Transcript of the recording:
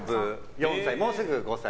４歳で、もうすぐ５歳。